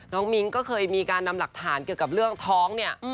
มิ้งก็เคยมีการนำหลักฐานเกี่ยวกับเรื่องท้องเนี่ย